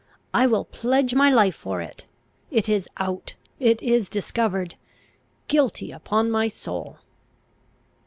I will pledge my life for it! It is out! It is discovered! Guilty, upon my soul!"